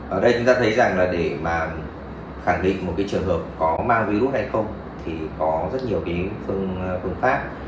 ở đây chúng ta thấy rằng là để mà khẳng định một cái trường hợp có mang virus hay không thì có rất nhiều cái phương pháp